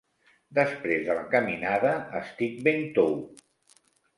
Després de la caminada estic ben tou.